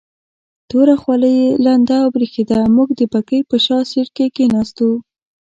توره خولۍ یې لنده او برېښېده، موږ د بګۍ په شا سیټ کې کېناستو.